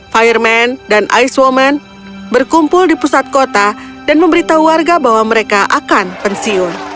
fireman dan ice woman berkumpul di pusat kota dan memberitahu warga bahwa mereka akan pensiun